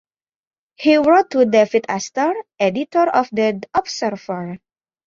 He wrote to David Astor, editor of "The Observer".